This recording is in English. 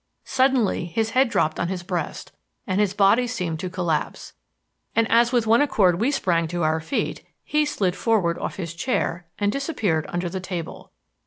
Suddenly his head dropped on his breast and his body seemed to collapse; and as with one accord we sprang to our feet, he slid forward off his chair and disappeared under the table.